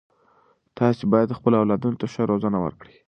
تاسې باید خپلو اولادونو ته ښه روزنه ورکړئ.